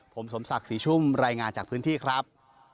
ผมสมศักดิ์ศรีชุ่มรายงานจากพื้นที่ครับ